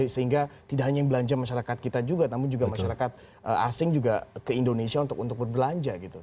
sehingga tidak hanya yang belanja masyarakat kita juga namun juga masyarakat asing juga ke indonesia untuk berbelanja gitu